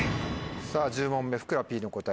さぁ１０問目ふくらＰの答え